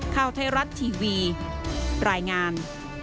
ข่าวไทยรัฐทีวีรายงาน